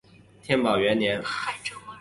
天宝元年。